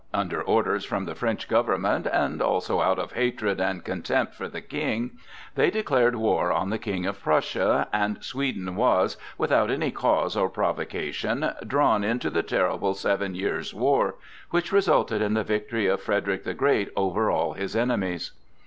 Under orders from the French government, and also out of hatred and contempt for the King, they declared war on the King of Prussia, and Sweden was, without any cause or provocation, drawn into the terrible Seven Years' War, which resulted in the victory of Frederick the Great over all his enemies.